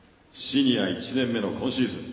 シニア１年目の今シーズン。